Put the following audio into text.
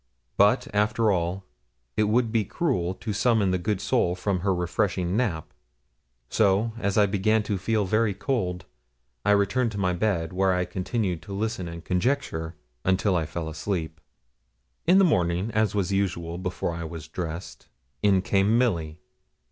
But, after all, it would be cruel to summon the good soul from her refreshing nap. So, as I began to feel very cold, I returned to my bed, where I continued to listen and conjecture until I fell asleep. In the morning, as was usual, before I was dressed, in came Milly.